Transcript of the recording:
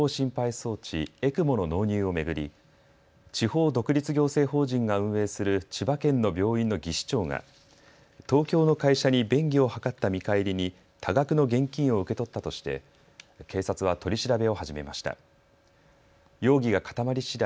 装置・ＥＣＭＯの納入を巡り、地方独立行政法人が運営する千葉県の病院の技士長が東京の会社に便宜を図った見返りに多額の現金を受け取ったとして警察は取り調べを始めました。